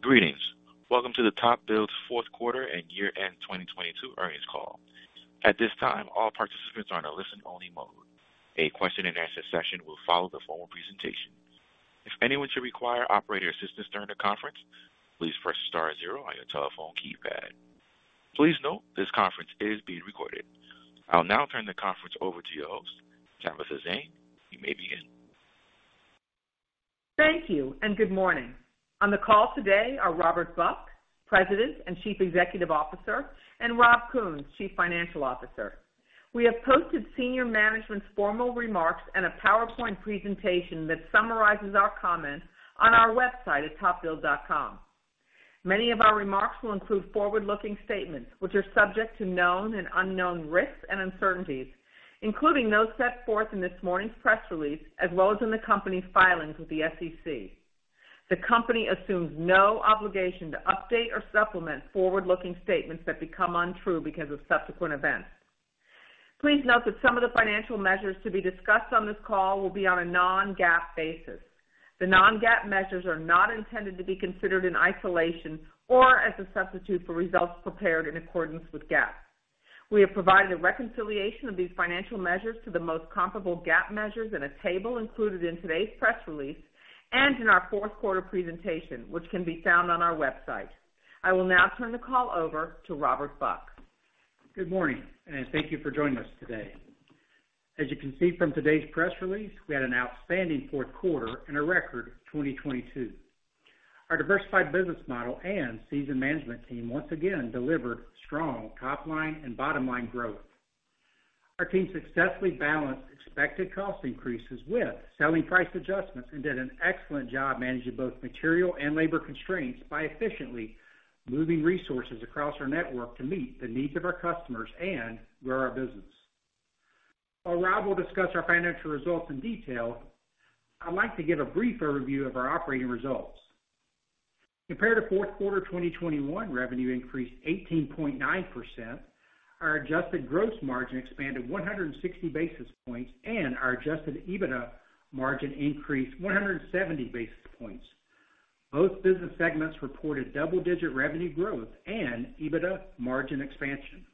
Greetings. Welcome to the TopBuild's fourth quarter and year-end 2022 earnings call. At this time, all participants are in a listen-only mode. A question and answer session will follow the formal presentation. If anyone should require operator assistance during the conference, please press star zero on your telephone keypad. Please note, this conference is being recorded. I'll now turn the conference over to your host, Tabitha Zane. You may begin. Thank you and good morning. On the call today are Robert Buck, President and Chief Executive Officer, and Rob Kuhns, Chief Financial Officer. We have posted senior management's formal remarks and a PowerPoint presentation that summarizes our comments on our website at topbuild.com. Many of our remarks will include forward-looking statements, which are subject to known and unknown risks and uncertainties, including those set forth in this morning's press release, as well as in the company's filings with the SEC. The company assumes no obligation to update or supplement forward-looking statements that become untrue because of subsequent events. Please note that some of the financial measures to be discussed on this call will be on a non-GAAP basis. The non-GAAP measures are not intended to be considered in isolation or as a substitute for results prepared in accordance with GAAP. We have provided a reconciliation of these financial measures to the most comparable GAAP measures in a table included in today's press release and in our fourth quarter presentation, which can be found on our website. I will now turn the call over to Robert Buck. Good morning, and thank you for joining us today. As you can see from today's press release, we had an outstanding fourth quarter and a record 2022. Our diversified business model and seasoned management team once again delivered strong top-line and bottom-line growth. Our team successfully balanced expected cost increases with selling price adjustments and did an excellent job managing both material and labor constraints by efficiently moving resources across our network to meet the needs of our customers and grow our business. While Rob will discuss our financial results in detail, I'd like to give a brief overview of our operating results. Compared to fourth quarter 2021, revenue increased 18.9%. Our Adjusted Gross Margin expanded 160 basis points, and our Adjusted EBITDA margin increased 170 basis points. Both business segments reported double-digit revenue growth and EBITDA margin expansion.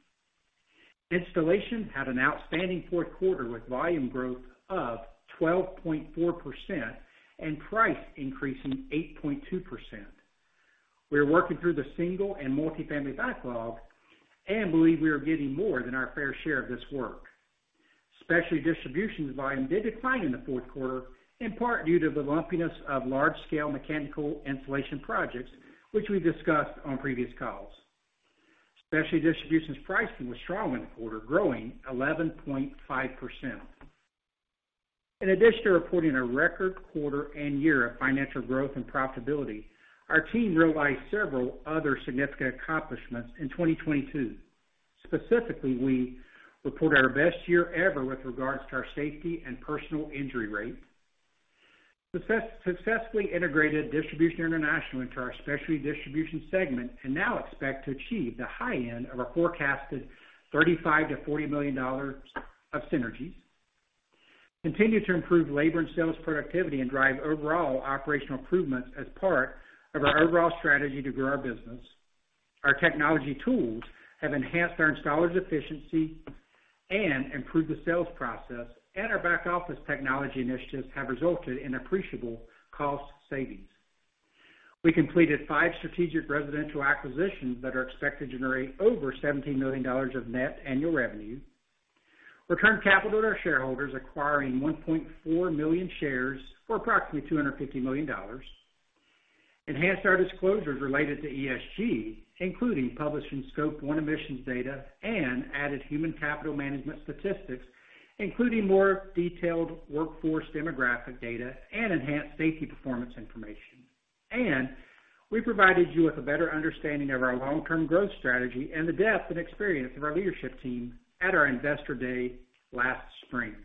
Installation had an outstanding fourth quarter, with volume growth of 12.4% and price increasing 8.2%. We are working through the single and multi-family backlog and believe we are getting more than our fair share of this work. Specialty Distribution volume did decline in the fourth quarter, in part due to the lumpiness of large-scale mechanical insulation projects, which we discussed on previous calls. Specialty Distribution's pricing was strong in the quarter, growing 11.5%. In addition to reporting a record quarter and year of financial growth and profitability, our team realized several other significant accomplishments in 2022. Specifically, we report our best year ever with regards to our safety and personal injury rate. Successfully integrated Distribution International into our Specialty Distribution segment and now expect to achieve the high end of our forecasted $35 million-$40 million of synergies. Continue to improve labor and sales productivity and drive overall operational improvements as part of our overall strategy to grow our business. Our technology tools have enhanced our installers' efficiency and improved the sales process. Our back-office technology initiatives have resulted in appreciable cost savings. We completed five strategic residential acquisitions that are expected to generate over $17 million of net annual revenue. Returned capital to our shareholders, acquiring 1.4 million shares for approximately $250 million. Enhanced our disclosures related to ESG, including publishing Scope 1 emissions data and added human capital management statistics, including more detailed workforce demographic data and enhanced safety performance information. We provided you with a better understanding of our long-term growth strategy and the depth and experience of our leadership team at our Investor Day last spring.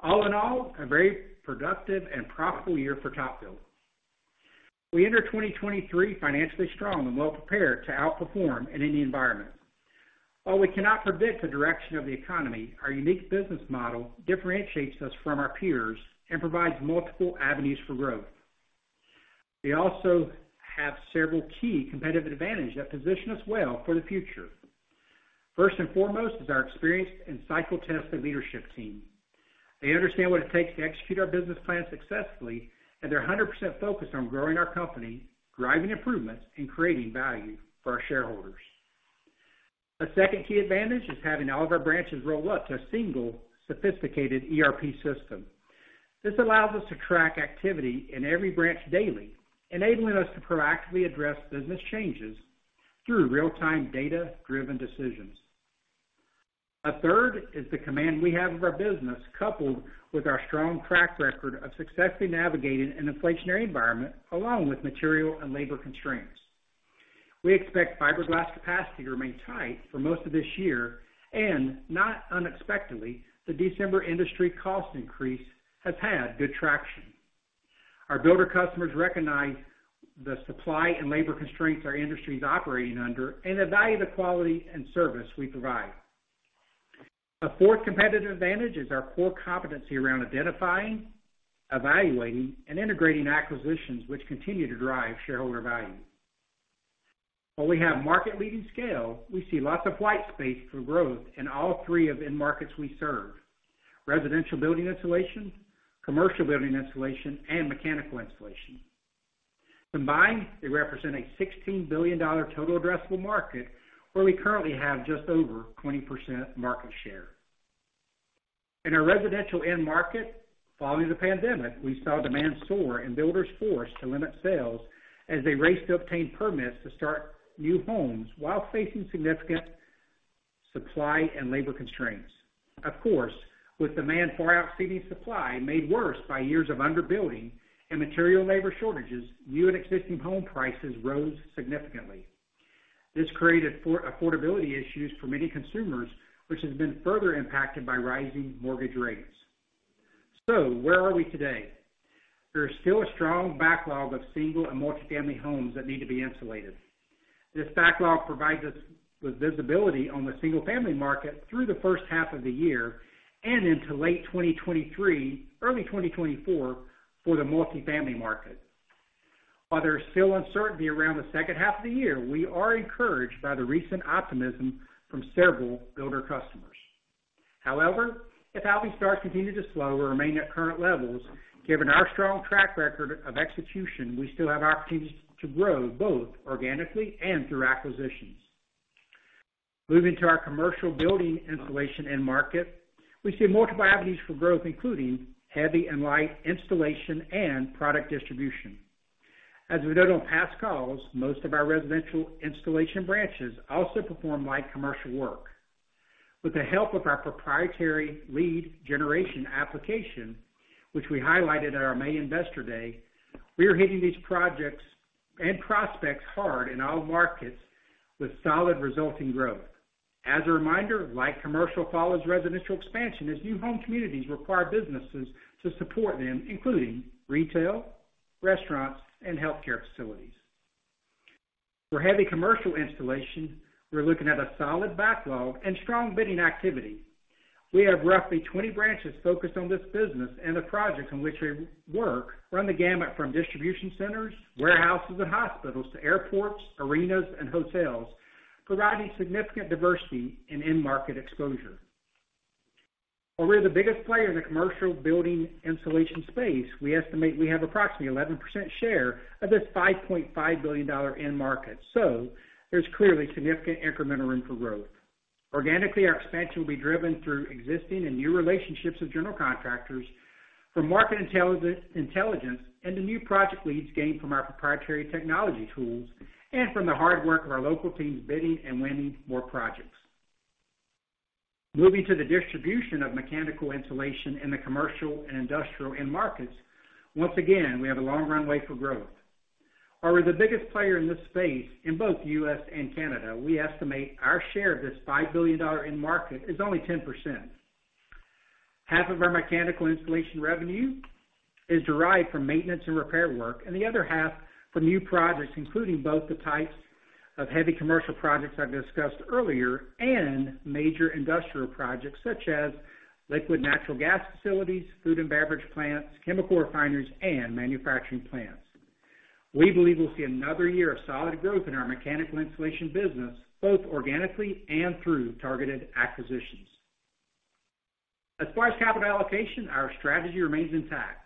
All in all, a very productive and profitable year for TopBuild. We enter 2023 financially strong and well prepared to outperform in any environment. While we cannot predict the direction of the economy, our unique business model differentiates us from our peers and provides multiple avenues for growth. We also have several key competitive advantage that position us well for the future. First and foremost is our experienced and cycle-tested leadership team. They understand what it takes to execute our business plan successfully, and they're 100% focused on growing our company, driving improvements, and creating value for our shareholders. A second key advantage is having all of our branches rolled up to a single sophisticated ERP system. This allows us to track activity in every branch daily, enabling us to proactively address business changes through real-time data-driven decisions. A third is the command we have of our business, coupled with our strong track record of successfully navigating an inflationary environment, along with material and labor constraints. We expect fiberglass capacity to remain tight for most of this year. Not unexpectedly, the December industry cost increase has had good traction. Our builder customers recognize the supply and labor constraints our industry is operating under and the value, the quality, and service we provide. A fourth competitive advantage is our core competency around identifying, evaluating, and integrating acquisitions which continue to drive shareholder value. While we have market-leading scale, we see lots of white space for growth in all three of end markets we serve: residential building insulation, commercial building insulation, and mechanical insulation. Combined, they represent a $16 billion total addressable market, where we currently have just over 20% market share. In our residential end market, following the pandemic, we saw demand soar and builders forced to limit sales as they raced to obtain permits to start new homes while facing significant supply and labor constraints. With demand far exceeding supply made worse by years of under-building and material labor shortages, new and existing home prices rose significantly. This created affordability issues for many consumers, which has been further impacted by rising mortgage rates. Where are we today? There is still a strong backlog of single and multi-family homes that need to be insulated. This backlog provides us with visibility on the single-family market through the first half of the year and into late 2023, early 2024 for the multi-family market. While there's still uncertainty around the second half of the year, we are encouraged by the recent optimism from several builder customers. However, if housing starts continue to slow or remain at current levels, given our strong track record of execution, we still have opportunities to grow, both organically and through acquisitions. Moving to our commercial building insulation end market, we see multiple avenues for growth, including heavy and light installation and product distribution. As we noted on past calls, most of our residential installation branches also perform light commercial work. With the help of our proprietary lead generation application, which we highlighted at our May Investor Day, we are hitting these projects and prospects hard in all markets with solid resulting growth. As a reminder, light commercial follows residential expansion as new home communities require businesses to support them, including retail, restaurants, and healthcare facilities. For heavy commercial installation, we're looking at a solid backlog and strong bidding activity. We have roughly 20 branches focused on this business, and the projects in which we work run the gamut from distribution centers, warehouses, and hospitals to airports, arenas, and hotels, providing significant diversity and end market exposure. While we're the biggest player in the commercial building insulation space, we estimate we have approximately 11% share of this $5.5 billion end market. There's clearly significant incremental room for growth. Organically, our expansion will be driven through existing and new relationships with general contractors from market intelligence and the new project leads gained from our proprietary technology tools and from the hard work of our local teams bidding and winning more projects. Moving to the distribution of mechanical insulation in the commercial and industrial end markets, once again, we have a long runway for growth. While we're the biggest player in this space in both U.S. and Canada, we estimate our share of this $5 billion end market is only 10%. Half of our mechanical insulation revenue is derived from maintenance and repair work, and the other half from new projects, including both the types of heavy commercial projects I've discussed earlier and major industrial projects such as liquefied natural gas facilities, food and beverage plants, chemical refineries, and manufacturing plants. We believe we'll see another year of solid growth in our mechanical insulation business, both organically and through targeted acquisitions. As far as capital allocation, our strategy remains intact.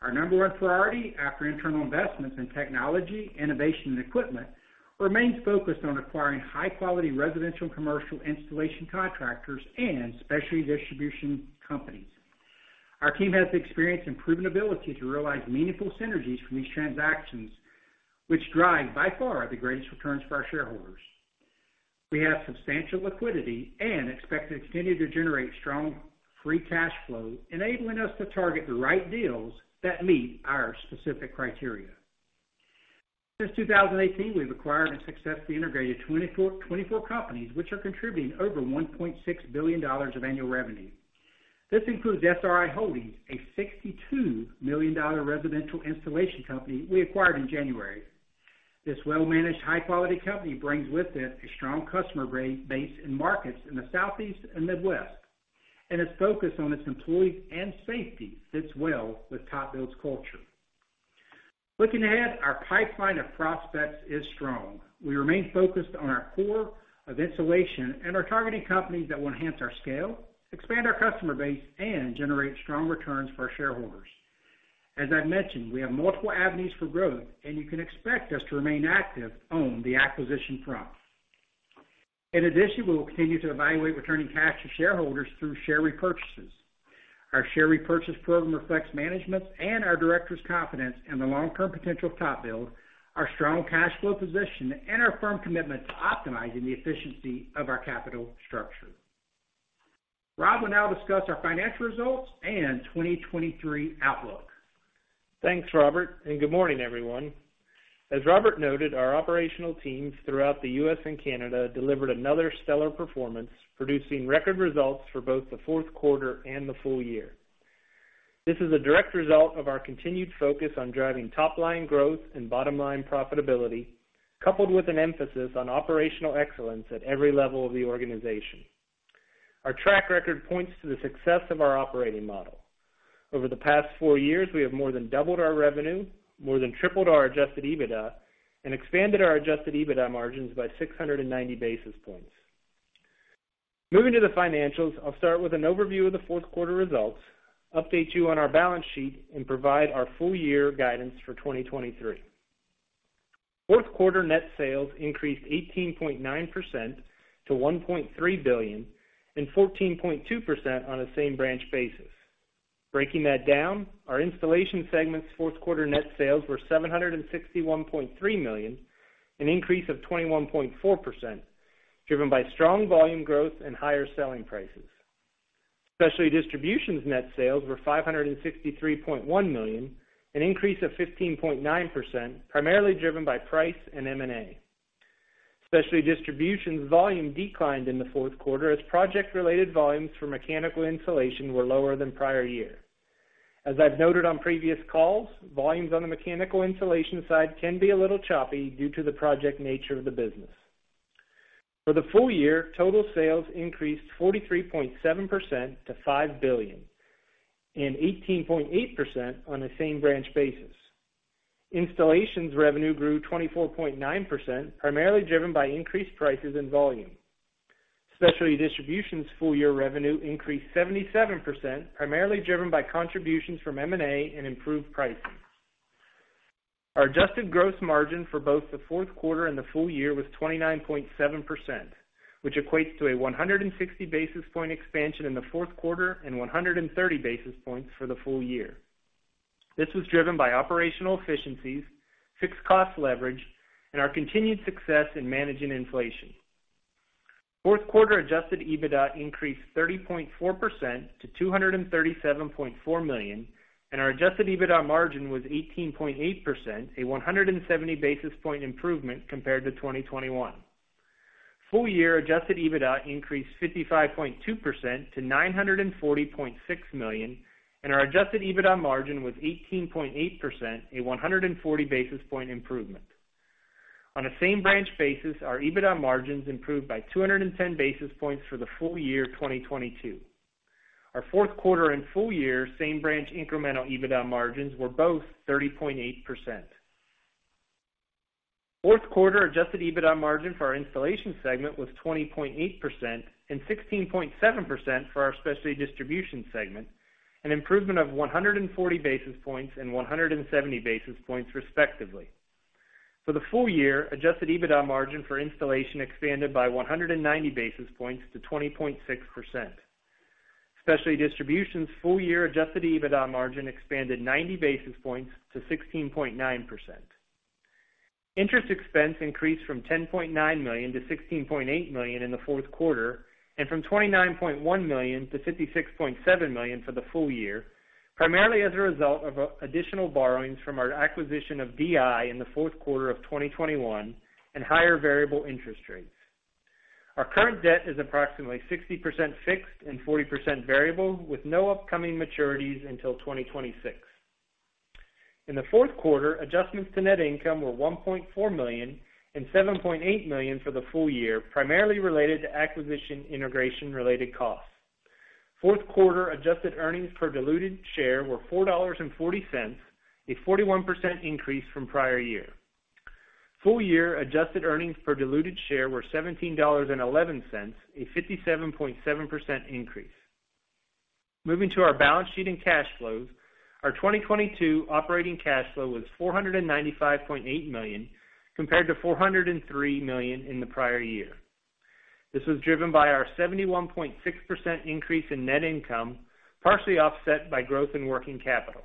Our number one priority after internal investments in technology, innovation, and equipment remains focused on acquiring high-quality residential and commercial installation contractors and Specialty Distribution companies. Our team has the experience and proven ability to realize meaningful synergies from these transactions, which drive by far the greatest returns for our shareholders. We have substantial liquidity and expect to continue to generate strong free cash flow, enabling us to target the right deals that meet our specific criteria. Since 2018, we've acquired and successfully integrated 24 companies, which are contributing over $1.6 billion of annual revenue. This includes SRI Holdings, a $62 million residential installation company we acquired in January. This well-managed, high-quality company brings with it a strong customer base in markets in the Southeast and Midwest, and its focus on its employees and safety fits well with TopBuild's culture. Looking ahead, our pipeline of prospects is strong. We remain focused on our core of insulation, and are targeting companies that will enhance our scale, expand our customer base, and generate strong returns for our shareholders. As I've mentioned, we have multiple avenues for growth, and you can expect us to remain active on the acquisition front. In addition, we will continue to evaluate returning cash to shareholders through share repurchases. Our share repurchase program reflects management's and our directors' confidence in the long-term potential of TopBuild, our strong cash flow position, and our firm commitment to optimizing the efficiency of our capital structure. Rob will now discuss our financial results and 2023 outlook. Thanks, Robert. Good morning, everyone. As Robert noted, our operational teams throughout the U.S. and Canada delivered another stellar performance, producing record results for both the fourth quarter and the full year. This is a direct result of our continued focus on driving top line growth and bottom line profitability, coupled with an emphasis on operational excellence at every level of the organization. Our track record points to the success of our operating model. Over the past four years, we have more than doubled our revenue, more than tripled our Adjusted EBITDA, and expanded our Adjusted EBITDA margins by 690 basis points. Moving to the financials, I'll start with an overview of the fourth quarter results, update you on our balance sheet, and provide our full year guidance for 2023. Fourth quarter net sales increased 18.9% to $1.3 billion and 14.2% on a same branch basis. Breaking that down, our installation segment's fourth quarter net sales were $761.3 million, an increase of 21.4%, driven by strong volume growth and higher selling prices. Specialty Distribution's net sales were $563.1 million, an increase of 15.9%, primarily driven by price and M&A. Specialty Distribution's volume declined in the fourth quarter as project-related volumes for mechanical insulation were lower than prior year. As I've noted on previous calls, volumes on the mechanical insulation side can be a little choppy due to the project nature of the business. For the full year, total sales increased 43.7% to $5 billion and 18.8% on a same branch basis. Installations revenue grew 24.9%, primarily driven by increased prices and volume. Specialty Distribution's full year revenue increased 77%, primarily driven by contributions from M&A and improved pricing. Our Adjusted Gross Margin for both the fourth quarter and the full year was 29.7%, which equates to a 160 basis point expansion in the fourth quarter and 130 basis points for the full year. This was driven by operational efficiencies, fixed cost leverage, and our continued success in managing inflation. Fourth quarter Adjusted EBITDA increased 30.4% to $237.4 million, and our Adjusted EBITDA margin was 18.8%, a 170 basis point improvement compared to 2021. Full year Adjusted EBITDA increased 55.2% to $940.6 million, and our Adjusted EBITDA margin was 18.8%, a 140 basis point improvement. On a same branch basis, our EBITDA margins improved by 210 basis points for the full year 2022. Our fourth quarter and full year same branch incremental EBITDA margins were both 30.8%. Fourth quarter Adjusted EBITDA margin for our installation segment was 20.8% and 16.7% for our Specialty Distribution segment, an improvement of 140 basis points and 170 basis points, respectively. For the full year, Adjusted EBITDA margin for installation expanded by 190 basis points to 20.6%. Specialty Distribution's full year Adjusted EBITDA margin expanded 90 basis points to 16.9%. Interest expense increased from $10.9 million to $16.8 million in the fourth quarter, and from $29.1 million to $56.7 million for the full year, primarily as a result of additional borrowings from our acquisition of DI in the fourth quarter of 2021 and higher variable interest rates. Our current debt is approximately 60% fixed and 40% variable, with no upcoming maturities until 2026. In the fourth quarter, adjustments to net income were $1.4 million and $7.8 million for the full year, primarily related to acquisition integration related costs. Fourth quarter adjusted earnings per diluted share were $4.40, a 41% increase from prior year. Full year adjusted earnings per diluted share were $17.11, a 57.7% increase. Moving to our balance sheet and cash flows. Our 2022 operating cash flow was $495.8 million, compared to $403 million in the prior year. This was driven by our 71.6% increase in net income, partially offset by growth in working capital.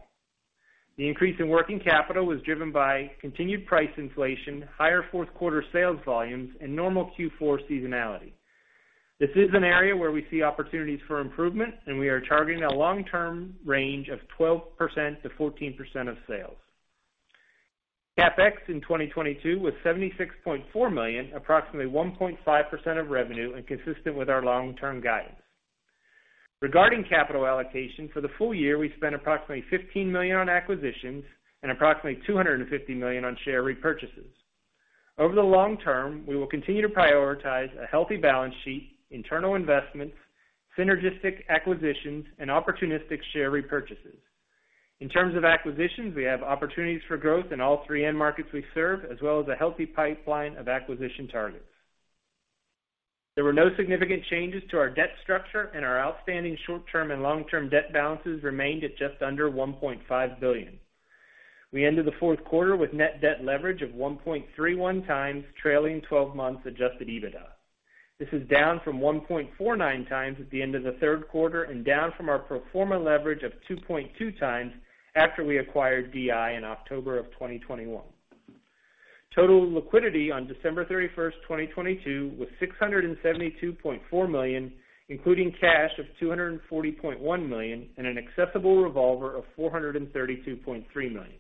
The increase in working capital was driven by continued price inflation, higher fourth quarter sales volumes, and normal Q4 seasonality. This is an area where we see opportunities for improvement, and we are targeting a long-term range of 12%-14% of sales. CapEx in 2022 was $76.4 million, approximately 1.5% of revenue, and consistent with our long-term guidance. Regarding capital allocation, for the full year, we spent approximately $15 million on acquisitions and approximately $250 million on share repurchases. Over the long term, we will continue to prioritize a healthy balance sheet, internal investments, synergistic acquisitions, and opportunistic share repurchases. In terms of acquisitions, we have opportunities for growth in all three end markets we serve, as well as a healthy pipeline of acquisition targets. There were no significant changes to our debt structure, and our outstanding short-term and long-term debt balances remained at just under $1.5 billion. We ended the fourth quarter with net debt leverage of 1.31 times trailing twelve months Adjusted EBITDA. This is down from 1.49 times at the end of the third quarter and down from our pro forma leverage of 2.2 times after we acquired DI in October 2021. Total liquidity on December 31, 2022 was $672.4 million, including cash of $240.1 million and an accessible revolver of $432.3 million.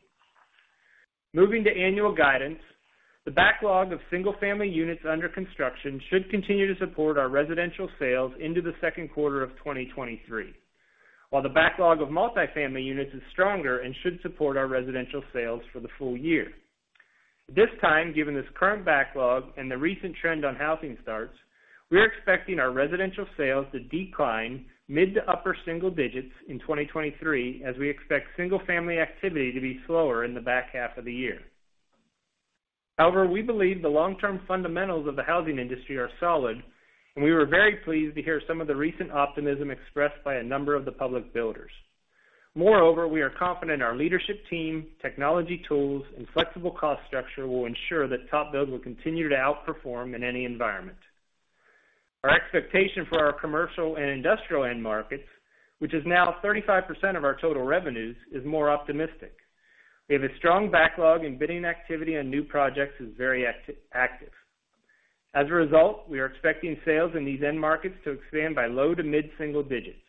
Moving to annual guidance. The backlog of single family units under construction should continue to support our residential sales into the second quarter of 2023. The backlog of multifamily units is stronger and should support our residential sales for the full year. This time, given this current backlog and the recent trend on housing starts, we are expecting our residential sales to decline mid to upper single digits in 2023, as we expect single family activity to be slower in the back half of the year. We believe the long-term fundamentals of the housing industry are solid, and we were very pleased to hear some of the recent optimism expressed by a number of the public builders. We are confident our leadership team, technology tools, and flexible cost structure will ensure that TopBuild will continue to outperform in any environment. Our expectation for our commercial and industrial end markets, which is now 35% of our total revenues, is more optimistic. We have a strong backlog in bidding activity and new projects is very active. As a result, we are expecting sales in these end markets to expand by low to mid single digits.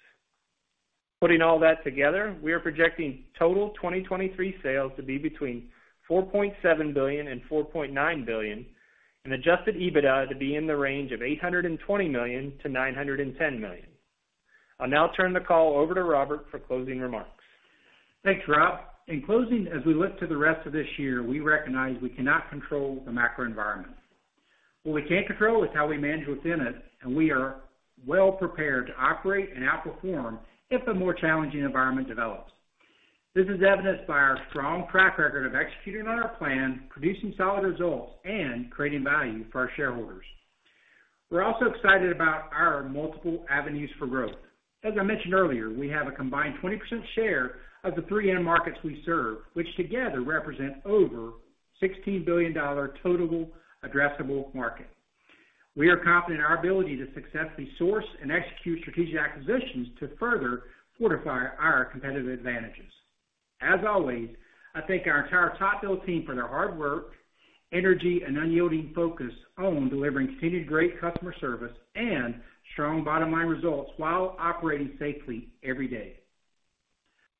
Putting all that together, we are projecting total 2023 sales to be between $4.7 billion and $4.9 billion, and Adjusted EBITDA to be in the range of $820 million to $910 million. I'll now turn the call over to Robert for closing remarks. Thanks, Rob. In closing, as we look to the rest of this year, we recognize we cannot control the macro environment. What we can't control is how we manage within it, and we are well prepared to operate and outperform if a more challenging environment develops. This is evidenced by our strong track record of executing on our plan, producing solid results, and creating value for our shareholders. We're also excited about our multiple avenues for growth. As I mentioned earlier, we have a combined 20% share of the three end markets we serve, which together represent over $16 billion total addressable market. We are confident in our ability to successfully source and execute strategic acquisitions to further fortify our competitive advantages. As always, I thank our entire TopBuild team for their hard work, energy, and unyielding focus on delivering continued great customer service and strong bottom line results while operating safely every day.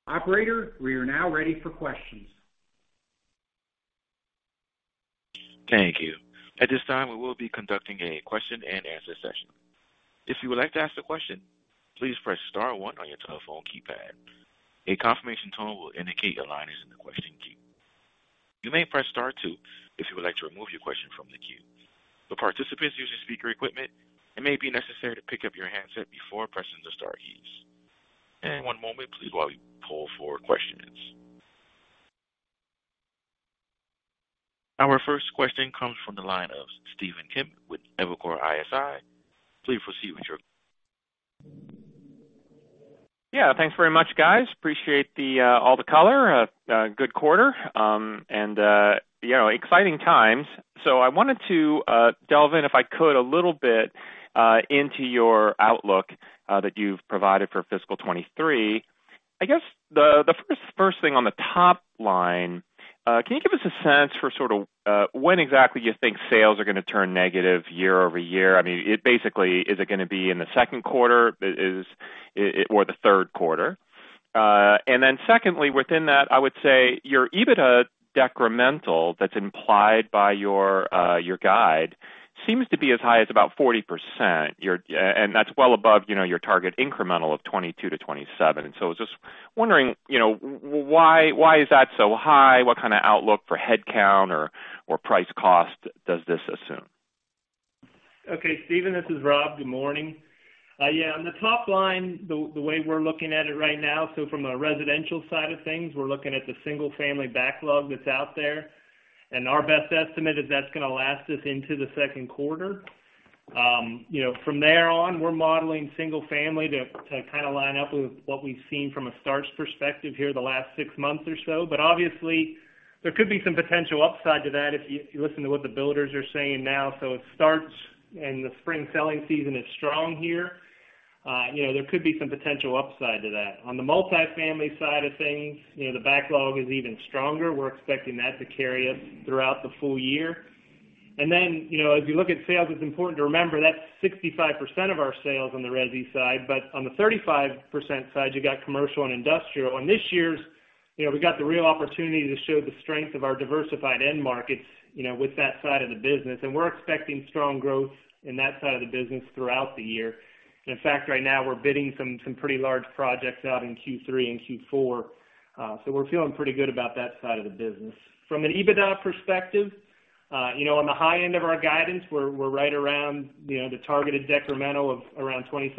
Operator, we are now ready for questions. Thank you. At this time, we will be conducting a question-and-answer session. If you would like to ask a question, please press star one on your telephone keypad. A confirmation tone will indicate your line is in the question queue. You may press star two if you would like to remove your question from the queue. For participants using speaker equipment, it may be necessary to pick up your handset before pressing the star keys. One moment, please, while we pull for questions. Our first question comes from the line of Stephen Kim with Evercore ISI. Please proceed with your. Yeah, thanks very much, guys. Appreciate the all the color. A good quarter, and, you know, exciting times. I wanted to delve in, if I could, a little bit into your outlook that you've provided for fiscal 2023. I guess the first thing on the top line, can you give us a sense for sort of when exactly you think sales are going to turn negative year-over-year? I mean, it basically, is it going to be in the second quarter, or the third quarter? Secondly, within that, I would say your EBITDA decremental that's implied by your guide seems to be as high as about 40%. That's well above, you know, your target incremental of 22%-27%. I was just wondering, you know, why is that so high? What kind of outlook for headcount or price cost does this assume? Okay, Stephen, this is Rob. Good morning. Yeah, on the top line, the way we're looking at it right now, from a residential side of things, we're looking at the single family backlog that's out there. Our best estimate is that's going to last us into the second quarter. You know, from there on, we're modeling single family to kind of line up with what we've seen from a starts perspective here the last 6 months or so. Obviously, there could be some potential upside to that if you listen to what the builders are saying now. It starts, and the spring selling season is strong here. You know, there could be some potential upside to that. On the multifamily side of things, you know, the backlog is even stronger. We're expecting that to carry us throughout the full year. You know, as you look at sales, it's important to remember that's 65% of our sales on the resi side, but on the 35% side, you've got commercial and industrial. On this year's, you know, we got the real opportunity to show the strength of our diversified end markets, you know, with that side of the business. We're expecting strong growth in that side of the business throughout the year. In fact, right now, we're bidding some pretty large projects out in Q3 and Q4. We're feeling pretty good about that side of the business. From an EBITDA perspective, you know, on the high end of our guidance, we're right around, you know, the targeted decremental of around 27%-28%.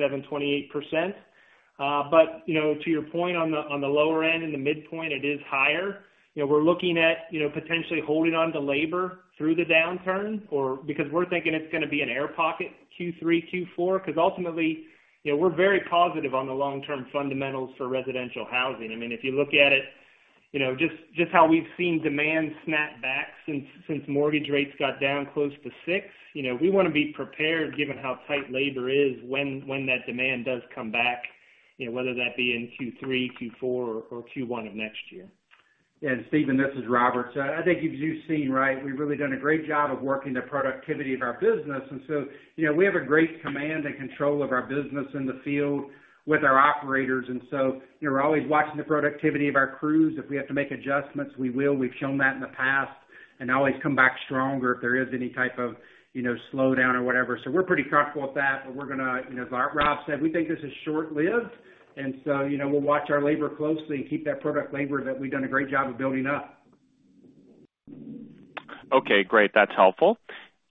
You know, to your point on the, on the lower end, in the midpoint, it is higher. You know, we're looking at, you know, potentially holding on to labor through the downturn or because we're thinking it's going to be an air pocket Q3, Q4, because ultimately, you know, we're very positive on the long-term fundamentals for residential housing. I mean, if you look at it, you know, just how we've seen demand snap back since mortgage rates got down close to 6, you know, we want to be prepared given how tight labor is when that demand does come back, you know, whether that be in Q3, Q4, or Q1 of next year. Stephen, this is Robert. I think as you've seen, right, we've really done a great job of working the productivity of our business. You know, we have a great command and control of our business in the field with our operators. You know, we're always watching the productivity of our crews. If we have to make adjustments, we will. We've shown that in the past and always come back stronger if there is any type of, you know, slowdown or whatever. We're pretty comfortable with that. We're gonna, you know, as Rob said, we think this is short-lived, you know, we'll watch our labor closely and keep that product labor that we've done a great job of building up. Okay, great. That's helpful.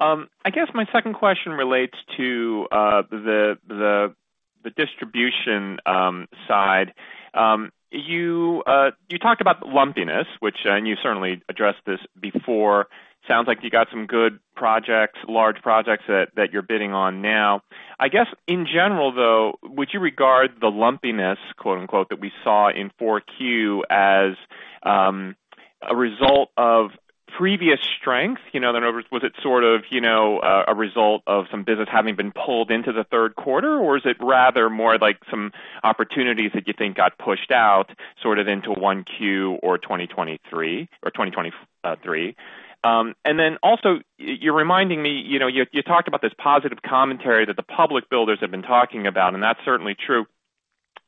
I guess my second question relates to the distribution side. You talked about the lumpiness, which, and you certainly addressed this before. Sounds like you got some good projects, large projects that you're bidding on now. I guess in general, though, would you regard the lumpiness, quote-unquote, that we saw in 4Q as a result of previous strength? You know, in other words, was it sort of, you know, a result of some business having been pulled into the third quarter? Or is it rather more like some opportunities that you think got pushed out sort of into 1Q or 2023? Or 2023? Then also, you're reminding me, you know, you talked about this positive commentary that the public builders have been talking about, and that's certainly true.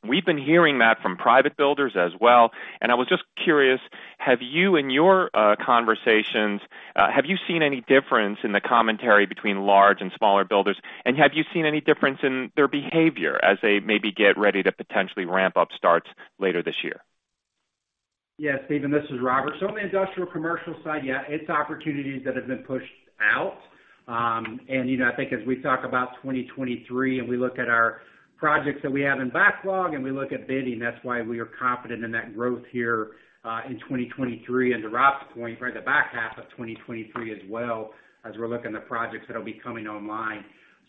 We've been hearing that from private builders as well. I was just curious, have you, in your conversations, have you seen any difference in the commentary between large and smaller builders? Have you seen any difference in their behavior as they maybe get ready to potentially ramp up starts later this year? Yeah, Stephen, this is Robert. On the industrial commercial side, yeah, it's opportunities that have been pushed out. You know, I think as we talk about 2023, we look at our projects that we have in backlog and we look at bidding, that's why we are confident in that growth here in 2023, to Rob's point, for the back half of 2023 as well as we're looking at projects that'll be coming online.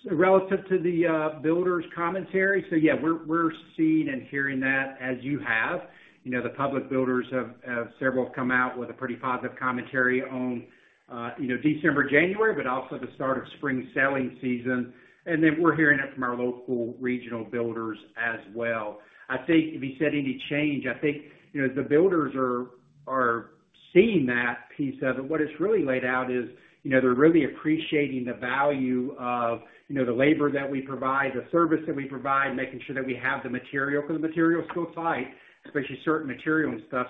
Relative to the builders commentary, yeah, we're seeing and hearing that as you have. You know, the public builders have several come out with a pretty positive commentary on, you know, December, January, but also the start of spring selling season. We're hearing it from our local regional builders as well. I think if you said any change, you know, the builders are seeing that piece of it. What it's really laid out is, you know, they're really appreciating the value of, you know, the labor that we provide, the service that we provide, making sure that we have the material, 'cause the material's still tight, especially certain material and stuff.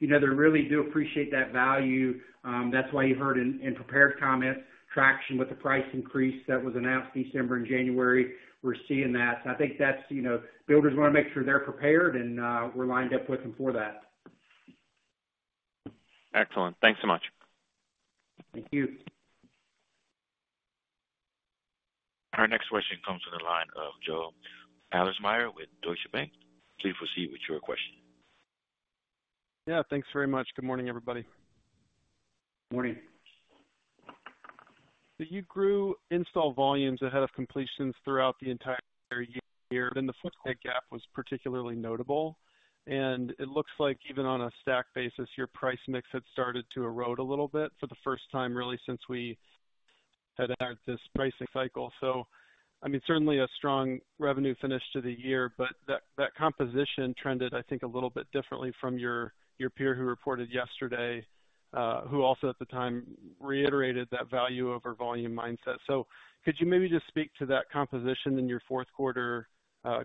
You know, they really do appreciate that value. That's why you heard in prepared comments, traction with the price increase that was announced December and January. We're seeing that. I think that's, you know, builders wanna make sure they're prepared, and we're lined up with them for that. Excellent. Thanks so much. Thank you. Our next question comes from the line of Joe Ahlersmeyer with Deutsche Bank. Please proceed with your question. Yeah, thanks very much. Good morning, everybody. Morning. You grew install volumes ahead of completions throughout the entire year, then the footstep gap was particularly notable. It looks like even on a stack basis, your price mix had started to erode a little bit for the first time, really, since we had entered this pricing cycle. I mean, certainly a strong revenue finish to the year, but that composition trended, I think, a little bit differently from your peer who reported yesterday, who also at the time reiterated that value over volume mindset. Could you maybe just speak to that composition in your fourth quarter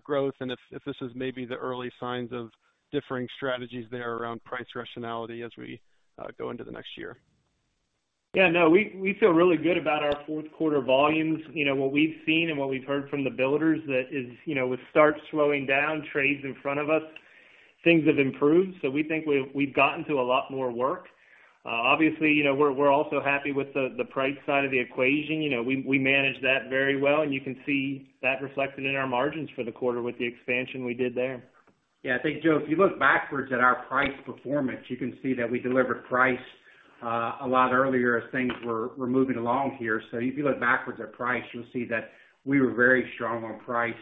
growth and if this is maybe the early signs of differing strategies there around price rationality as we go into the next year? Yeah, no, we feel really good about our fourth quarter volumes. You know, what we've seen and what we've heard from the builders that is, you know, with starts slowing down, trades in front of us, things have improved. We think we've gotten to a lot more work. Obviously, you know, we're also happy with the price side of the equation. You know, we manage that very well, and you can see that reflected in our margins for the quarter with the expansion we did there. Yeah. I think, Joe, if you look backwards at our price performance, you can see that we delivered price a lot earlier as things were moving along here. If you look backwards at price, you'll see that we were very strong on price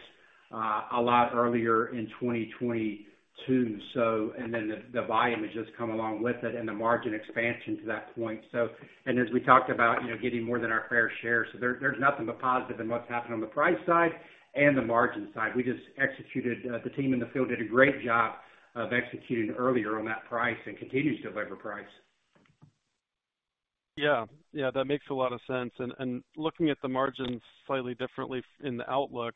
a lot earlier in 2022, and then the volume has just come along with it and the margin expansion to that point. As we talked about, you know, getting more than our fair share. There's nothing but positive in what's happened on the price side and the margin side. We just executed. The team in the field did a great job of executing earlier on that price and continues to deliver price. Yeah. Yeah, that makes a lot of sense. Looking at the margins slightly differently in the outlook,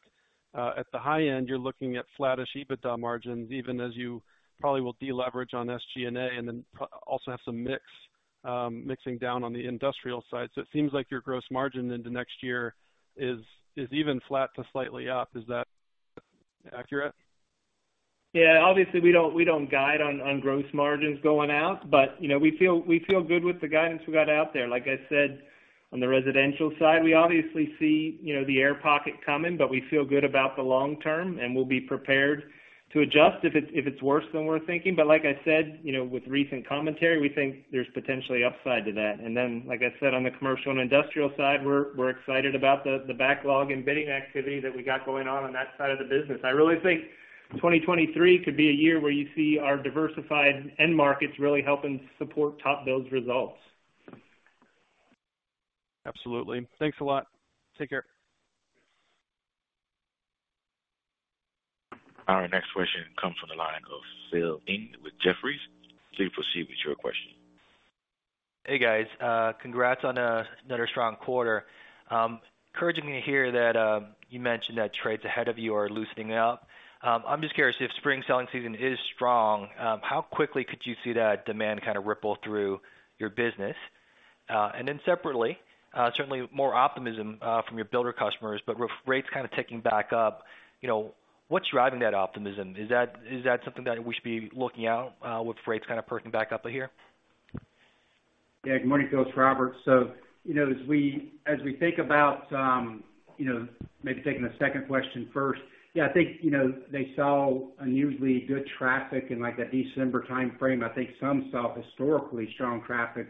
at the high end, you're looking at flattish EBITDA margins, even as you probably will deleverage on SG&A and then also have some mix, mixing down on the industrial side. It seems like your gross margin into next year is even flat to slightly up. Is that accurate? Obviously, we don't, we don't guide on gross margins going out. You know, we feel, we feel good with the guidance we got out there. Like I said, on the residential side, we obviously see, you know, the air pocket coming, but we feel good about the long term, and we'll be prepared to adjust if it's, if it's worse than we're thinking. Like I said, you know, with recent commentary, we think there's potentially upside to that. Then, like I said, on the commercial and industrial side, we're excited about the backlog and bidding activity that we got going on on that side of the business. I really think 2023 could be a year where you see our diversified end markets really helping support TopBuild's results. Absolutely. Thanks a lot. Take care. Our next question comes from the line of Phil Ng with Jefferies. Please proceed with your question. Hey, guys. Congrats on another strong quarter. Encouraging to hear that you mentioned that trades ahead of you are loosening up. I'm just curious if spring selling season is strong, how quickly could you see that demand kind of ripple through your business? Separately, certainly more optimism from your builder customers, but with rates kind of ticking back up, you know, what's driving that optimism? Is that something that we should be looking out with rates kind of perking back up here? Yeah. Good morning, Phil, it's Robert. You know, as we think about, you know, maybe taking the second question first. Yeah, I think, you know, they saw unusually good traffic in like that December timeframe. I think some saw historically strong traffic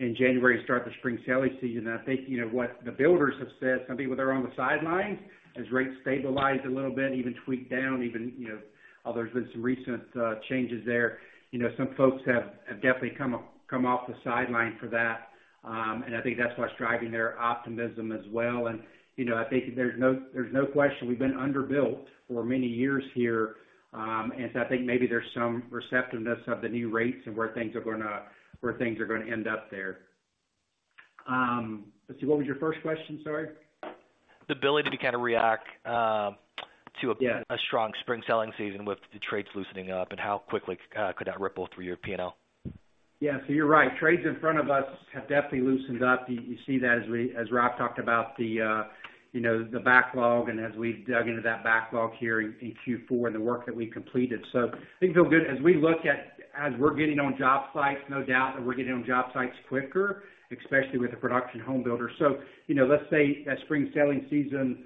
in January to start the spring selling season. I think, you know, what the builders have said, some people, they're on the sidelines as rates stabilize a little bit, even tweak down even, you know, although there's been some recent changes there. You know, some folks have definitely come off the sideline for that. I think that's what's driving their optimism as well. You know, I think there's no question we've been underbuilt for many years here. I think maybe there's some receptiveness of the new rates and where things are gonna end up there. Let's see, what was your first question? Sorry. The ability to kind of react to- Yeah -a strong spring selling season with the trades loosening up, how quickly could that ripple through your P&L? Yeah. You're right. Trades in front of us have definitely loosened up. You see that as Rob talked about the, you know, the backlog and as we dug into that backlog here in Q4 and the work that we completed. Things feel good. As we're getting on job sites, no doubt that we're getting on job sites quicker, especially with the production home builder. You know, let's say that spring selling season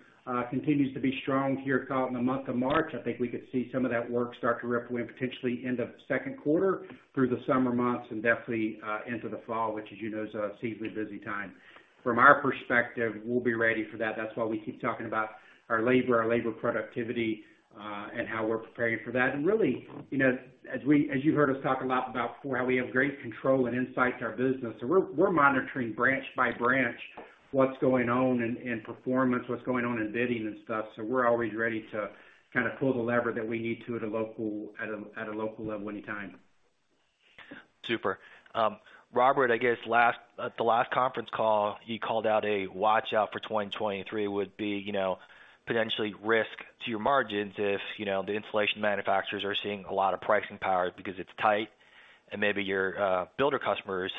continues to be strong here call it in the month of March, I think we could see some of that work start to ripple in potentially end of second quarter through the summer months and definitely into the fall, which as you know, is a seasonally busy time. From our perspective, we'll be ready for that. That's why we keep talking about our labor, our labor productivity, and how we're preparing for that. Really, you know, as you heard us talk a lot about before, how we have great control and insight to our business. We're, we're monitoring branch by branch what's going on in performance, what's going on in bidding and stuff. We're always ready to kind of pull the lever that we need to at a local level anytime. Super. Robert, I guess at the last conference call, you called out a watch out for 2023 would be, you know, potentially risk to your margins if, you know, the insulation manufacturers are seeing a lot of pricing power because it's tight and maybe your builder customers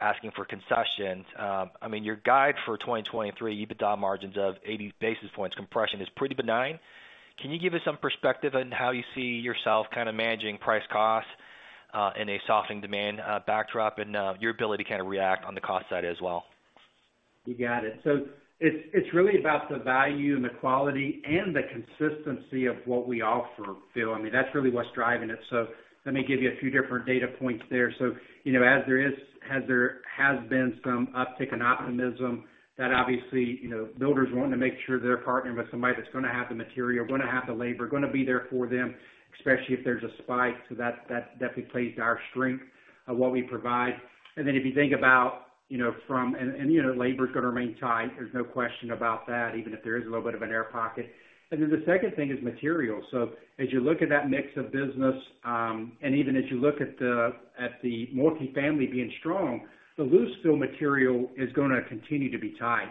asking for concessions. I mean, your guide for 2023 EBITDA margins of 80 basis points compression is pretty benign. Can you give us some perspective on how you see yourself kind of managing price costs, in a softening demand, backdrop and, your ability to kind of react on the cost side as well? You got it. It's really about the value and the quality and the consistency of what we offer, Phil Ng. I mean, that's really what's driving it. Let me give you a few different data points there. You know, as there has been some uptick in optimism that obviously, you know, builders wanting to make sure they're partnering with somebody that's gonna have the material, gonna have the labor, gonna be there for them, especially if there's a spike. That definitely plays to our strength of what we provide. If you think about, you know, labor is gonna remain tight, there's no question about that, even if there is a little bit of an air pocket. The second thing is material. As you look at that mix of business, and even as you look at the, at the multifamily being strong, the loose-fill material is gonna continue to be tight.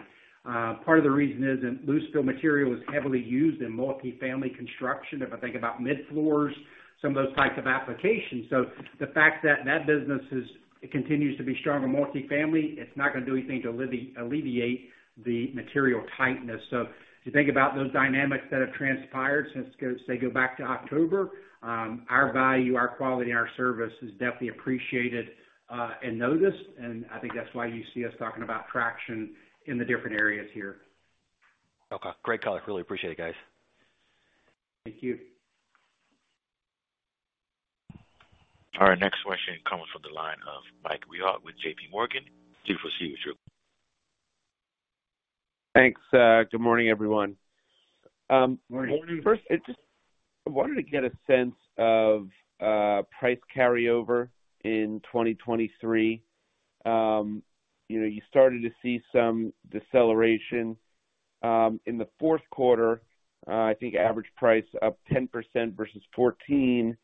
Part of the reason is in loose-fill material is heavily used in multifamily construction. If I think about midfloors, some of those types of applications. The fact that that business continues to be strong in multifamily, it's not gonna do anything to alleviate the material tightness. As you think about those dynamics that have transpired since, say, go back to October, our value, our quality, and our service is definitely appreciated and noticed, and I think that's why you see us talking about traction in the different areas here. Okay. Great call. I really appreciate it, guys. Thank you. Our next question comes from the line of Mike Rehaut with JPMorgan. Please proceed with your question. Thanks. Good morning, everyone. Morning. I just wanted to get a sense of price carryover in 2023. You know, you started to see some deceleration in the fourth quarter. I think average price up 10% versus 14,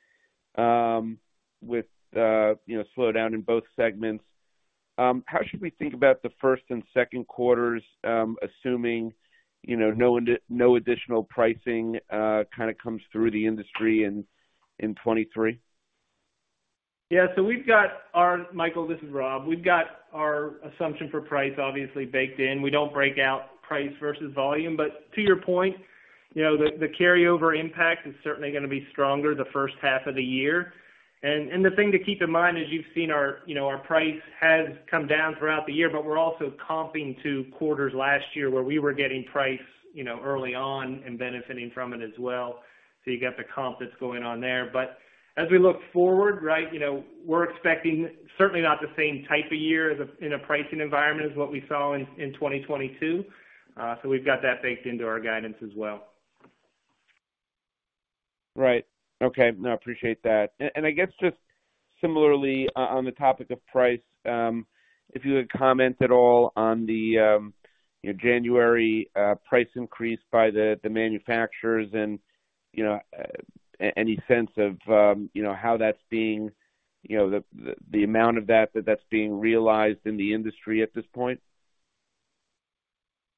with, you know, slowdown in both segments. How should we think about the first and second quarters, assuming, you know, no additional pricing kind of comes through the industry in 2023? Yeah. Michael, this is Rob. We've got our assumption for price obviously baked in. We don't break out price versus volume. To your point, you know, the carryover impact is certainly gonna be stronger the first half of the year. The thing to keep in mind, as you've seen our, you know, our price has come down throughout the year, but we're also comping to quarters last year where we were getting price, you know, early on and benefiting from it as well. You got the comp that's going on there. As we look forward, right, you know, we're expecting certainly not the same type of year in a pricing environment as what we saw in 2022. We've got that baked into our guidance as well. Right. Okay. No, I appreciate that. I guess Similarly, on the topic of price, if you would comment at all on the, you know, January price increase by the manufacturers and, you know, any sense of, you know, how that's being, you know, the amount of that that's being realized in the industry at this point.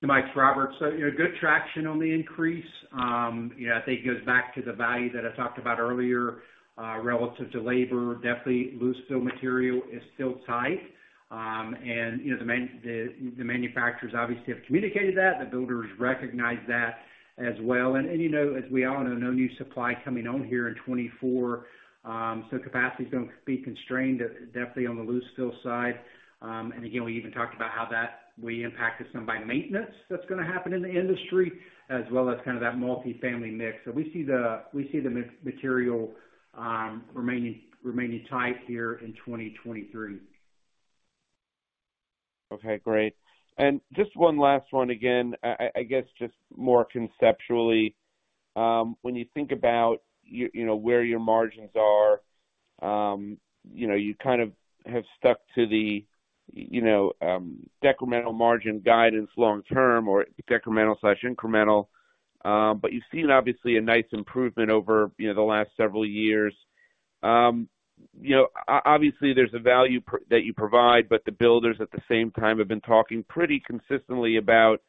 Mike, it's Robert. You know, good traction on the increase. Yeah, I think it goes back to the value that I talked about earlier, relative to labor. Definitely, loose-fill material is still tight. You know, the manufacturers obviously have communicated that. The builders recognize that as well. You know, as we all know, no new supply coming on here in 2024. Capacity is gonna be constrained definitely on the loose-fill side. Again, we even talked about how that may impact us some by maintenance that's gonna happen in the industry as well as kind of that multifamily mix. We see the material remaining tight here in 2023. Okay, great. Just one last one again, I guess just more conceptually, when you think about you know, where your margins are, you know, you kind of have stuck to the, you know, decremental margin guidance long term or decremental/incremental. You've seen obviously a nice improvement over, you know, the last several years. You know, obviously, there's a value that you provide, but the builders at the same time have been talking pretty consistently about,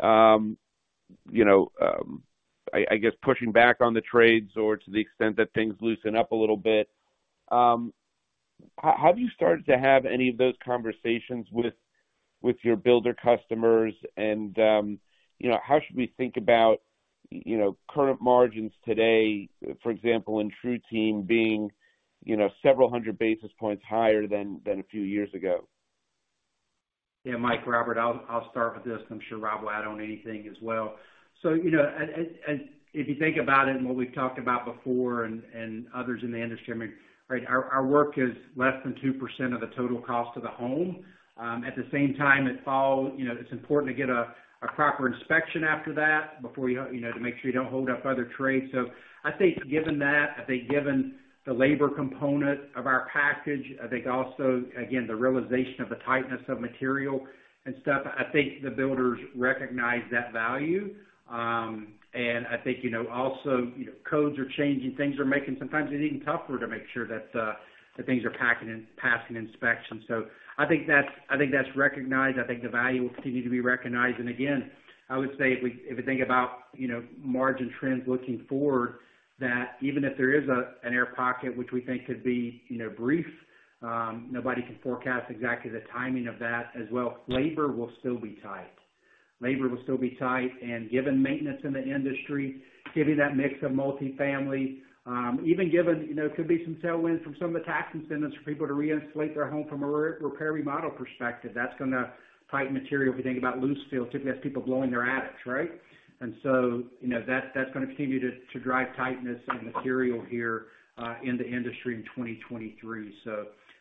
I guess, pushing back on the trades or to the extent that things loosen up a little bit. Have you started to have any of those conversations with your builder customers? You know, how should we think about, you know, current margins today, for example, in TruTeam being, you know, several hundred basis points higher than a few years ago? Yeah, Mike. Robert, I'll start with this, and I'm sure Rob Kuhns will add on anything as well. You know, and if you think about it and what we've talked about before and others in the industry, I mean, right, our work is less than 2% of the total cost of the home. At the same time, it follows, you know, it's important to get a proper inspection after that before you know, to make sure you don't hold up other trades. I think given that, I think given the labor component of our package, I think also, again, the realization of the tightness of material and stuff, I think the builders recognize that value. I think, you know, also, you know, codes are changing. Things are making sometimes it even tougher to make sure that things are passing inspection. I think that's recognized. I think the value will continue to be recognized. Again, I would say if we, if we think about, you know, margin trends looking forward, that even if there is a, an air pocket, which we think could be, you know, brief, nobody can forecast exactly the timing of that as well. Labor will still be tight. Labor will still be tight, given maintenance in the industry, given that mix of multifamily, even given, you know, could be some tailwinds from some of the tax incentives for people to reinsulate their home from a repair/remodel perspective. That's gonna tighten material if you think about loose-fill, typically that's people blowing their attics, right? You know, that's gonna continue to drive tightness on material here in the industry in 2023.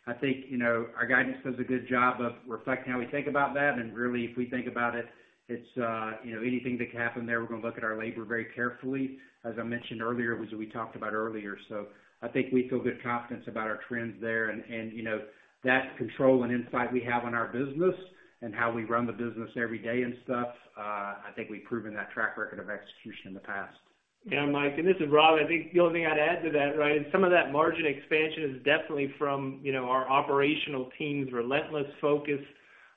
I think, you know, our guidance does a good job of reflecting how we think about that. Really, if we think about it's, you know, anything that can happen there, we're gonna look at our labor very carefully. As I mentioned earlier, which we talked about earlier, I think we feel good confidence about our trends there and, you know, that control and insight we have on our business and how we run the business every day and stuff, I think we've proven that track record of execution in the past. Mike, and this is Rob. I think the only thing I'd add to that, right, is some of that margin expansion is definitely from, you know, our operational team's relentless focus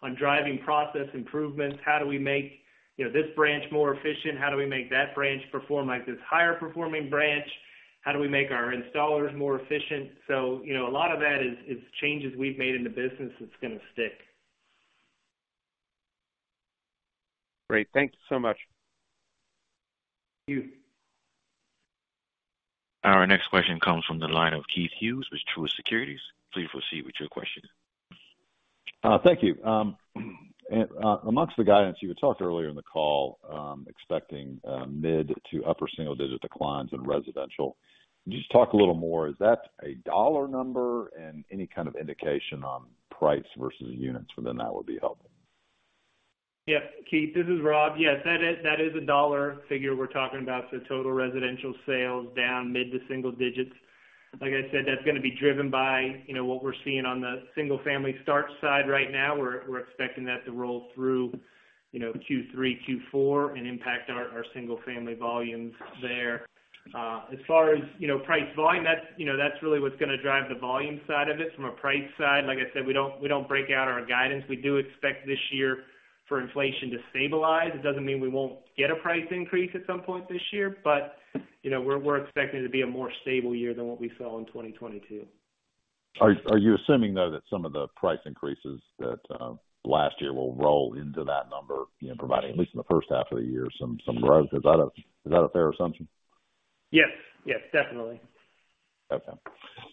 on driving process improvements. How do we make, you know, this branch more efficient? How do we make that branch perform like this higher performing branch? How do we make our installers more efficient? You know, a lot of that is changes we've made in the business that's gonna stick. Great. Thank you so much. Thank you. Our next question comes from the line of Keith Hughes with Truist Securities. Please proceed with your question. Thank you. Amongst the guidance, you had talked earlier in the call, expecting mid to upper single digit declines in residential. Can you just talk a little more, is that a dollar number? Any kind of indication on price versus units within that would be helpful. Yeah. Keith, this is Rob. Yes, that is a dollar figure we're talking about. Total residential sales down mid to single digits. Like I said, that's gonna be driven by, you know, what we're seeing on the single-family start side right now. We're expecting that to roll through, you know, Q3, Q4, and impact our single-family volumes there. As far as, you know, price volume, that's really what's gonna drive the volume side of it. From a price side, like I said, we don't break out our guidance. We do expect this year for inflation to stabilize. It doesn't mean we won't get a price increase at some point this year, but, you know, we're expecting it to be a more stable year than what we saw in 2022. Are you assuming, though, that some of the price increases that last year will roll into that number, you know, providing at least in the first half of the year some growth? Is that a fair assumption? Yes. Yes, definitely.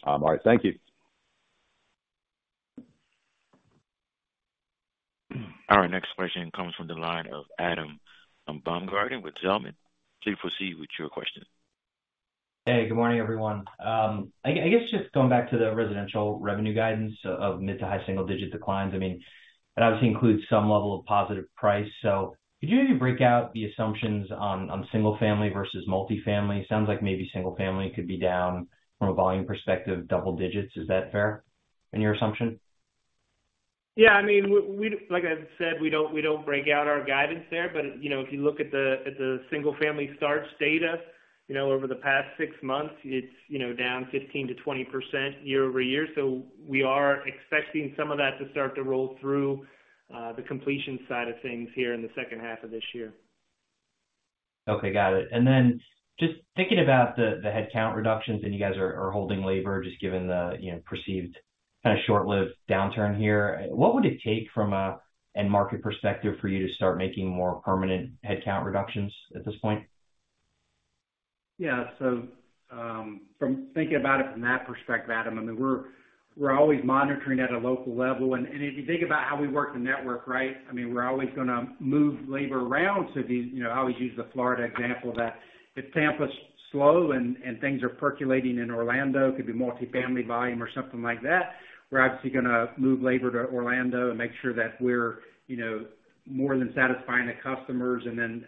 All right. Thank you. Our next question comes from the line of Adam Baumgarten with Zelman. Please proceed with your question. Hey, good morning, everyone. I guess just going back to the residential revenue guidance of mid- to high-single-digit declines. I mean, that obviously includes some level of positive price. Could you maybe break out the assumptions on single family versus multifamily? Sounds like maybe single family could be down from a volume perspective, double-digits. Is that fair in your assumption? Yeah, I mean, like I said, we don't break out our guidance there. You know, if you look at the single-family starts data, you know, over the past six months, it's, you know, down 15%-20% year-over-year. We are expecting some of that to start to roll through the completion side of things here in the second half of this year. Okay, got it. Just thinking about the headcount reductions, and you guys are holding labor just given the, you know, perceived kind of short-lived downturn here. What would it take from an end market perspective for you to start making more permanent headcount reductions at this point? Yeah. From thinking about it from that perspective, Adam, I mean, we're always monitoring at a local level. If you think about how we work the network, right? I mean, we're always gonna move labor around. You know, I always use the Florida example that if Tampa's slow and things are percolating in Orlando, could be multifamily volume or something like that, we're obviously gonna move labor to Orlando and make sure that we're, you know, more than satisfying the customers.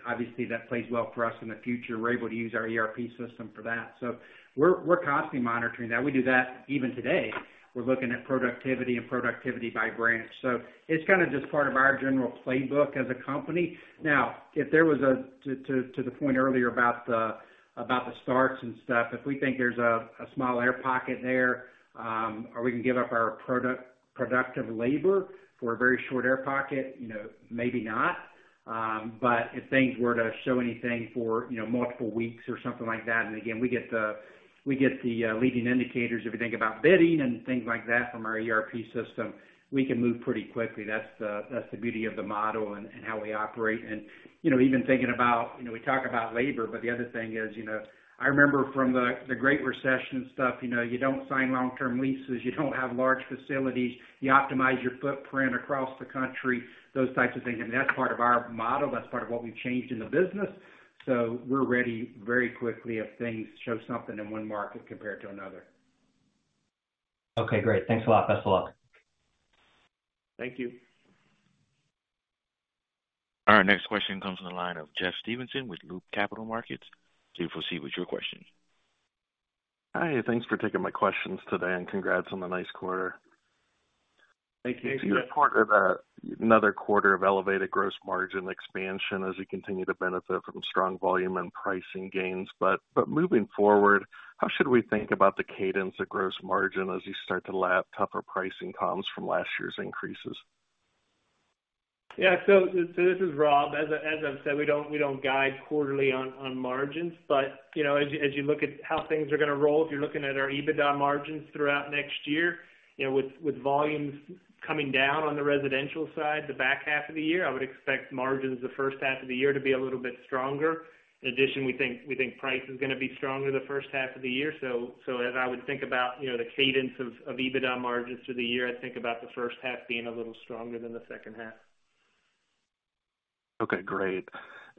Obviously that plays well for us in the future. We're able to use our ERP system for that. We're constantly monitoring that. We do that even today. We're looking at productivity and productivity by branch. It's kind of just part of our general playbook as a company. If there was to the point earlier about the starts and stuff, if we think there's a small air pocket there, or we can give up our productive labor for a very short air pocket, you know, maybe not. If things were to show anything for, you know, multiple weeks or something like that, and again, we get the leading indicators, if you think about bidding and things like that from our ERP system, we can move pretty quickly. That's the, that's the beauty of the model and how we operate. You know, even thinking about, you know, we talk about labor, but the other thing is, you know, I remember from the great recession stuff, you know, you don't sign long-term leases, you don't have large facilities, you optimize your footprint across the country, those types of things. I mean, that's part of our model. That's part of what we've changed in the business. We're ready very quickly if things show something in one market compared to another. Okay, great. Thanks a lot. Best of luck. Thank you. Our next question comes from the line of Jeff Stevenson with Loop Capital Markets. Please proceed with your question. Hi, thanks for taking my questions today, and congrats on the nice quarter. Thank you, Jeff. You reported another quarter of elevated gross margin expansion as you continue to benefit from strong volume and pricing gains. Moving forward, how should we think about the cadence of gross margin as you start to lap tougher pricing comps from last year's increases? Yeah. This is Rob. As I've said, we don't guide quarterly on margins. you know, as you look at how things are gonna roll, if you're looking at our EBITDA margins throughout next year, you know, with volumes coming down on the residential side, the back half of the year, I would expect margins the first half of the year to be a little bit stronger. In addition, we think price is gonna be stronger the first half of the year. as I would think about, you know, the cadence of EBITDA margins through the year, I'd think about the first half being a little stronger than the second half. Okay, great.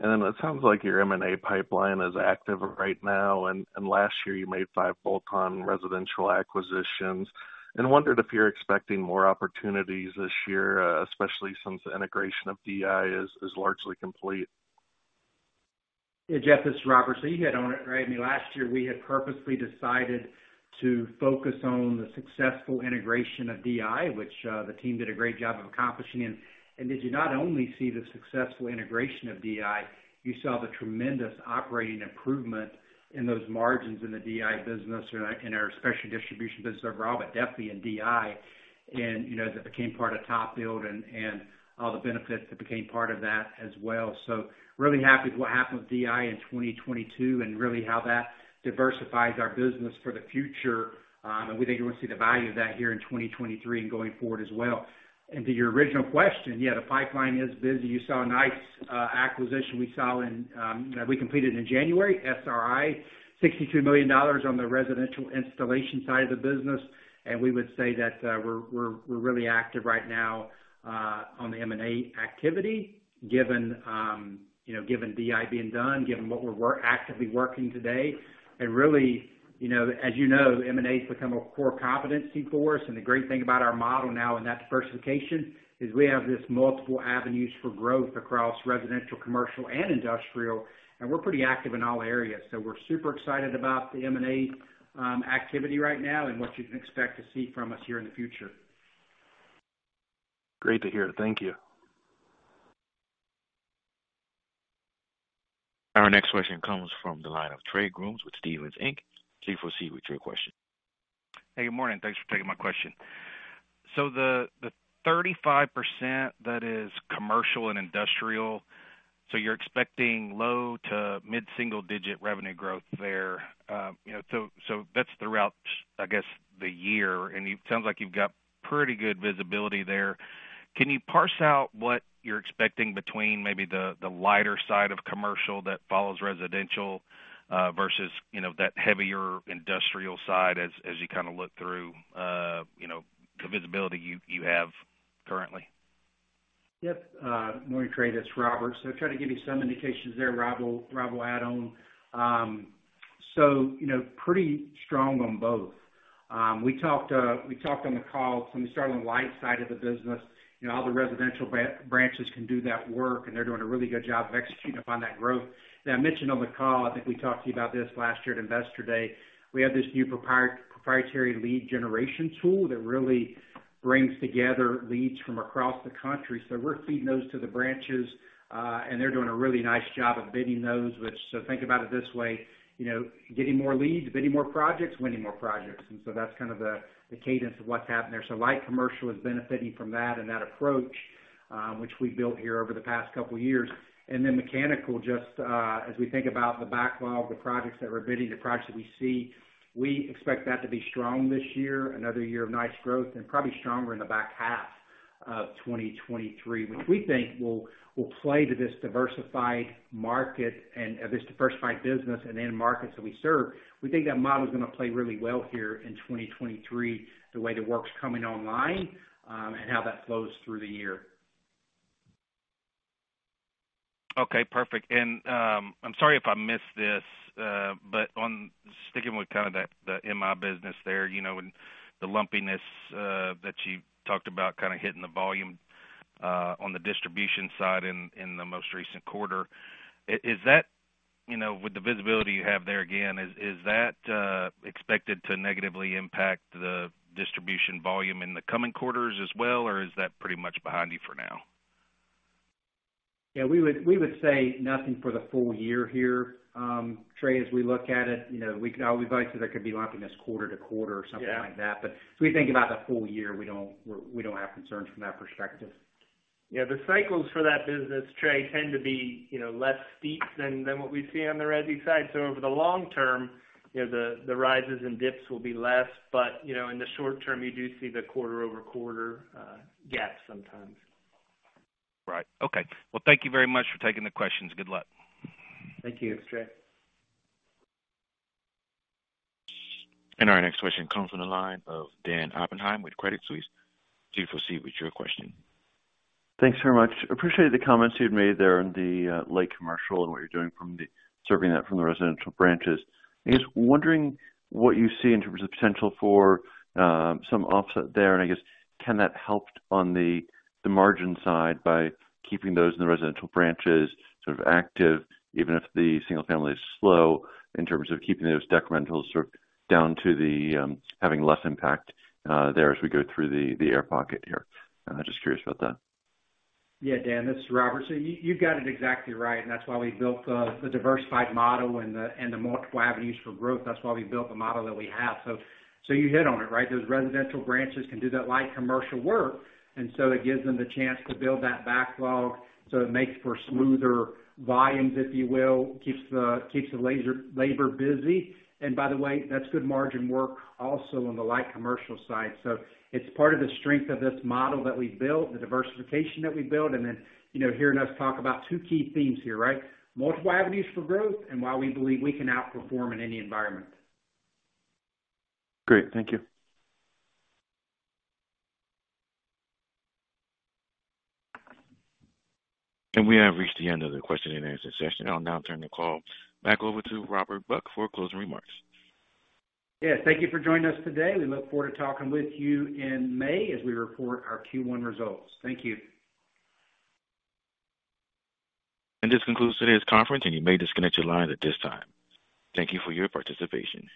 It sounds like your M&A pipeline is active right now. Last year, you made 5 bolt-on residential acquisitions. Wondered if you're expecting more opportunities this year, especially since the integration of DI is largely complete. Yeah, Jeff, this is Robert. You hit on it, right? I mean, last year, we had purposely decided to focus on the successful integration of DI, which the team did a great job of accomplishing. Did you not only see the successful integration of DI, you saw the tremendous operating improvement in those margins in the DI business or in our special distribution business overall, but definitely in DI. You know, that became part of TopBuild and all the benefits that became part of that as well. Really happy with what happened with DI in 2022 and really how that diversifies our business for the future. We think you're gonna see the value of that here in 2023 and going forward as well. To your original question, yeah, the pipeline is busy. You saw a nice acquisition that we completed in January, SRI, $62 million on the residential installation side of the business. We would say that we're really active right now on the M&A activity, given, you know, given DI being done, given what we're actively working today. Really, you know, as you know, M&A's become a core competency for us. The great thing about our model now in that diversification is we have this multiple avenues for growth across residential, commercial, and industrial, and we're pretty active in all areas. We're super excited about the M&A activity right now and what you can expect to see from us here in the future. Great to hear. Thank you. Our next question comes from the line of Trey Grooms with Stephens Inc. Please proceed with your question. Hey, good morning. Thanks for taking my question. The 35% that is commercial and industrial, you're expecting low to mid-single-digit revenue growth there. You know, that's throughout, I guess, the year, and sounds like you've got pretty good visibility there. Can you parse out what you're expecting between maybe the lighter side of commercial that follows residential, versus, you know, that heavier industrial side as you kinda look through, you know, the visibility you have currently? Yep. Good morning, Trey. This is Robert. I'll try to give you some indications there. Rob will add on. You know, pretty strong on both. We talked, we talked on the call from the start on the light side of the business, you know, all the residential branches can do that work, and they're doing a really good job of executing upon that growth. Now, I mentioned on the call, I think we talked to you about this last year at Investor Day. We have this new proprietary lead generation tool that really brings together leads from across the country. We're feeding those to the branches, and they're doing a really nice job of bidding those, so think about it this way, you know, getting more leads, bidding more projects, winning more projects. That's kind of the cadence of what's happened there. Light commercial is benefiting from that and that approach, which we built here over the past couple years. Mechanical, just, as we think about the backlog, the projects that we're bidding, the projects that we see, we expect that to be strong this year, another year of nice growth and probably stronger in the back half of 2023, which we think will play to this diversified market and this diversified business and end markets that we serve. We think that model is gonna play really well here in 2023, the way the work's coming online, and how that flows through the year. Okay, perfect. I'm sorry if I missed this, on sticking with kind of that, the MI business there, you know, and the lumpiness that you talked about kind of hitting the volume on the distribution side in the most recent quarter. Is that, you know, with the visibility you have there, again, is that expected to negatively impact the distribution volume in the coming quarters as well, or is that pretty much behind you for now? Yeah, we would say nothing for the full year here, Trey, as we look at it. You know, we could always advise that there could be lumpiness quarter to quarter or something like that. Yeah. As we think about the full year, we don't have concerns from that perspective. Yeah. The cycles for that business, Trey, tend to be, you know, less steep than what we see on the resi side. Over the long term, you know, the rises and dips will be less. In the short term, you do see the quarter-over-quarter gap sometimes. Right. Okay. Well, thank you very much for taking the questions. Good luck. Thank you. Thanks, Trey. Our next question comes from the line of Dan Oppenheim with Credit Suisse. Please proceed with your question. Thanks very much. Appreciate the comments you've made there in the light commercial and what you're doing from the serving that from the residential branches. I guess wondering what you see in terms of potential for some offset there, and I guess can that help on the margin side by keeping those in the residential branches sort of active, even if the single family is slow in terms of keeping those decrementals sort of down to the having less impact there as we go through the air pocket here? I'm just curious about that. Yeah. Dan, this is Robert. You've got it exactly right, and that's why we built the diversified model and the multiple avenues for growth. That's why we built the model that we have. You hit on it, right? Those residential branches can do that light commercial work, and so it gives them the chance to build that backlog, so it makes for smoother volumes, if you will. Keeps the labor busy. By the way, that's good margin work also on the light commercial side. It's part of the strength of this model that we built, the diversification that we built. You know, hearing us talk about two key themes here, right? Multiple avenues for growth and why we believe we can outperform in any environment. Great. Thank you. We have reached the end of the question and answer session. I'll now turn the call back over to Robert Buck for closing remarks. Yes, thank you for joining us today. We look forward to talking with you in May as we report our Q1 results. Thank you. This concludes today's conference, and you may disconnect your lines at this time. Thank you for your participation.